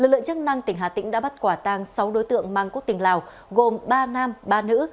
lực lượng chức năng tỉnh hà tĩnh đã bắt quả tang sáu đối tượng mang quốc tịch lào gồm ba nam ba nữ